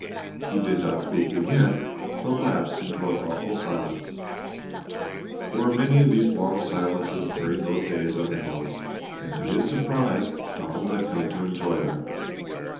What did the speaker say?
He did not speak again, but lapsed into a thoughtful silence. There were many of these long silences during those days on the hills and to his surprise Donald had come to enjoy them.